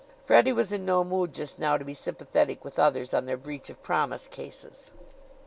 Freddie was in no mood just now to be sympathetic with others on their breach of promise cases.